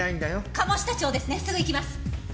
加茂下町ですねすぐ行きます。